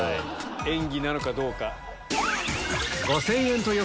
演技なのかどうか。